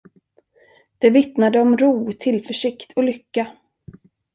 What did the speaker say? Det vittnade om ro, tillförsikt och lycka.